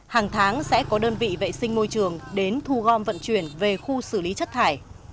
hàng tháng sẽ có đơn vị vệ sinh môi trường đến thu gom vận chuyển về khu xử lý chất thải